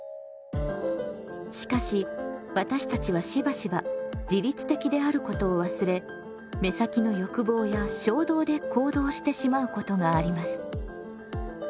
しかし私たちはしばしば自律的であることを忘れ目先の欲望や衝動で行動してしまうことがあります。